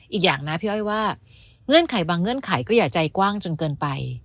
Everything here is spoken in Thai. อีกอย่างนะพี่อ้อยว่าเงื่อนไขบางเงื่อนไขก็อย่าใจกว้างจนเกินไป